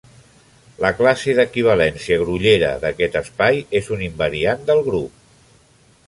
La classe d'equivalència grollera d'aquest espai és un invariant del grup.